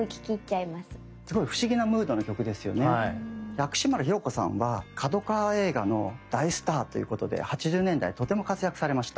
薬師丸ひろ子さんは角川映画の大スターということで８０年代にとても活躍されました。